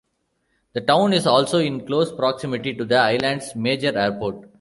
The town is also in close proximity to the Island's major airport.